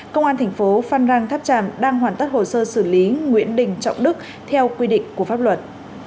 công an thành phố phan rang tháp tràm đang hoàn tất hồ sơ xử lý nguyễn đình trọng đức theo quy định của pháp luật